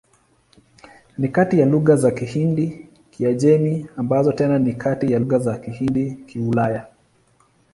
Ni kati ya lugha za Kihindi-Kiajemi, ambazo tena ni kati ya lugha za Kihindi-Kiulaya.